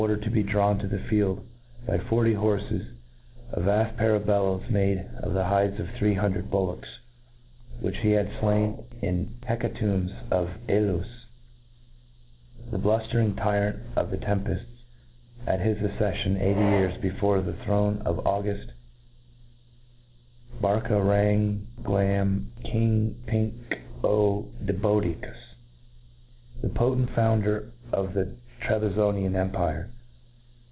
•rdared to be drawn to the fidd, by forty horfcs, a vaft pair of bellows made of the bides of three liundred bullocks, which he had flain in heca tomb^to Solus the bluftering tyrant ef tlie tem peft^j at his acceffion 80 years before to the throne pf the auguft Barkalranglamking^Uikodibodicus^ the potent founder of the Trebizonbin empire.